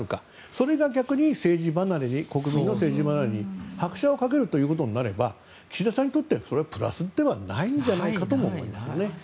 それが逆に国民の政治離れに拍車を掛けることになれば岸田さんにとってそれはプラスではないのではないかと思いますよね。